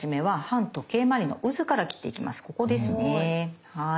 ここですねはい。